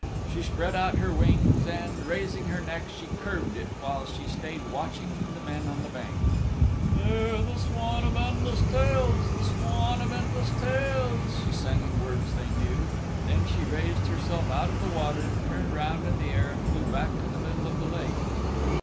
She spread out her wings, and, raising her neck she curved it, while she stayed watching the men on the bank. "Hear the Swan of Endless Tales the Swan of Endless Tales" she sang in words they knew. Then she raised herself out of the water, turned round in the air, and flew back to the middle of the lake.